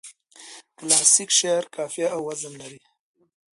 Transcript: کلاسیک شعر قافیه او وزن لري.